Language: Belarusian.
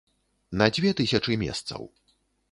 На дзве тысячы месцаў.